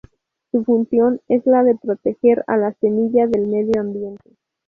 Su función es la de proteger a la semilla del medio ambiente.